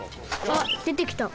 あっでてきた。